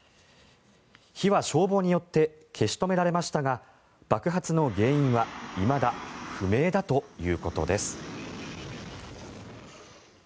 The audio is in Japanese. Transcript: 火は消防によって消し止められましたが爆発の原因はいまだ不明だということです。